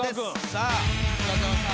さあ深澤さん。